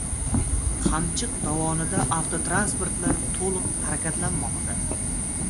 Qamchiq dovonida avtotransportlar to‘liq harakatlanmoqda